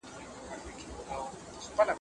د نوي تعلیمي نصاب موخې څه دي؟